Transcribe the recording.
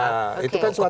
nah itu kan suatu